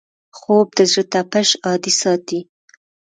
خوب د زړه تپش عادي ساتي